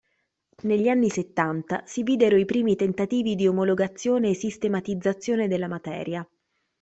Negli anni Settanta si videro i primi tentativi di omologazione e sistematizzazione della materia.